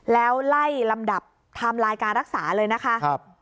แล้วไล่ลำดับไทม์ไลน์การรักษาเลยนะคะ